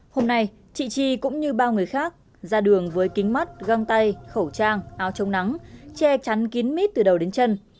hôm nay chị chi cũng như bao người khác ra đường với kính mắt găng tay khẩu trang áo trông nắng che chắn kín mít từ đầu đến chân